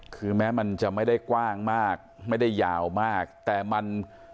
คือแม้มันจะไม่ได้กว้างมากไม่ได้ยาวมากแต่มัน